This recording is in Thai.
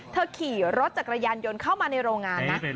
ขี่รถจักรยานยนต์เข้ามาในโรงงานนะ